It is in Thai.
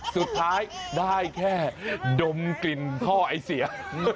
สุดท้ายได้แค่ดมกลิ่นท่อไอเสีย